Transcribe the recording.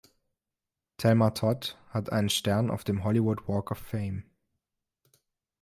Thelma Todd hat einen Stern auf dem Hollywood Walk of Fame.